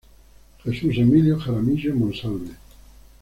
Jesús Emilio Jaramillo Monsalve.